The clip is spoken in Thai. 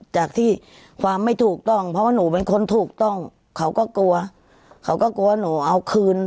จากที่ความไม่ถูกต้องเพราะว่าหนูเป็นคนถูกต้องเขาก็กลัวเขาก็กลัวหนูเอาคืน